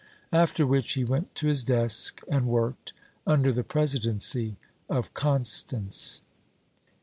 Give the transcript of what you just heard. After which he went to his desk and worked, under the presidency of Constance.